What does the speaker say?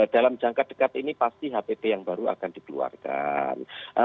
dalam jangka dekat ini pasti hpp yang baru akan dikeluarkan